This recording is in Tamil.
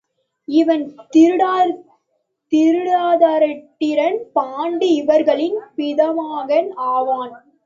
இவன் திருதராட்டிரன், பாண்டு இவர்களின் பிதாமகன் ஆவான்.